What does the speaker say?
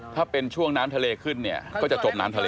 ถ้าเป็นช่วงน้ำทะเลขึ้นเนี่ยก็จะจมน้ำทะเล